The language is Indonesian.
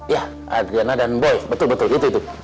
ya adriana dan boy betul betul itu itu